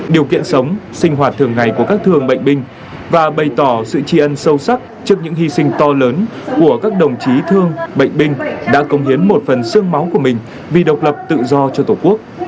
điều kiện sống sinh hoạt thường ngày của các thương bệnh binh và bày tỏ sự tri ân sâu sắc trước những hy sinh to lớn của các đồng chí thương bệnh binh đã công hiến một phần sương máu của mình vì độc lập tự do cho tổ quốc